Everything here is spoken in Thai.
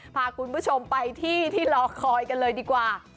พาคุณผู้ชมไปที่ที่รอคอยกันเลยดีกว่า